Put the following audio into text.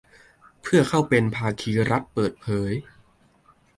เพื่อเข้าเป็นภาคีรัฐเปิดเผย